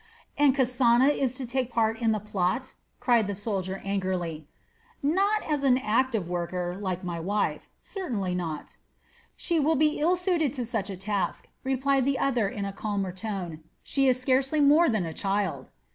"And Kasana is to take part in the plot?" cried the soldier angrily. "Not as an active worker, like my wife, certainly not." "She would be ill suited to such a task," replied the other in a calmer tone, "she is scarcely more than a child."